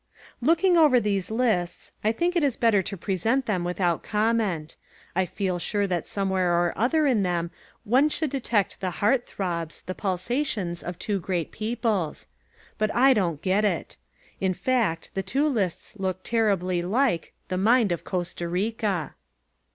Looking over these lists, I think it is better to present them without comment; I feel sure that somewhere or other in them one should detect the heart throbs, the pulsations of two great peoples. But I don't get it. In fact the two lists look to me terribly like "the mind of Costa Rica."